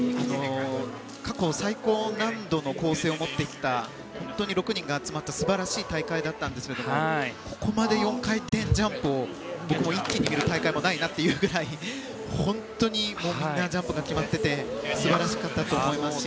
過去最高難度の構成を持ってきた６人が集まった素晴らしい大会だったんですがここまで４回転ジャンプを僕も一気に見る大会はないなというぐらいみんなジャンプが決まっていて素晴らしかったと思いますし。